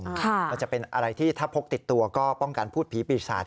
มันจะเป็นอะไรที่ถ้าพกติดตัวก็ป้องกันพูดผีปีศาจ